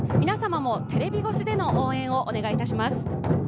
皆様もテレビ越しでの応援をよろしくお願いします。